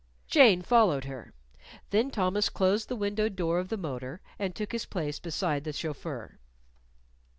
Jane followed her. Then Thomas closed the windowed door of the motor and took his place beside the chauffeur.